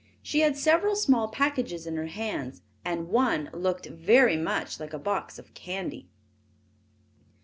She had several small packages in her hands, and one looked very much like a box of candy.